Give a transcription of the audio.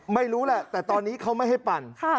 ไม่รู้แหละแต่ตอนนี้เขาไม่ให้ปั่น